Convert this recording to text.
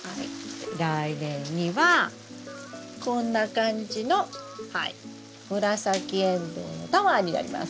来年にはこんな感じのはい紫エンドウのタワーになります。